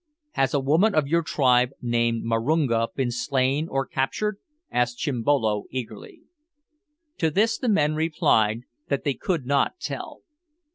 "Has a woman of your tribe, named Marunga, been slain or captured?" asked Chimbolo eagerly. To this the men replied that they could not tell.